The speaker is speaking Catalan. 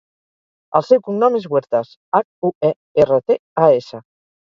El seu cognom és Huertas: hac, u, e, erra, te, a, essa.